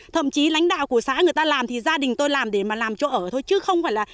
thậm chí lãnh đạo của xã người ta làm thì gia đình tôi làm để mà làm chỗ ở thôi chứ không phải là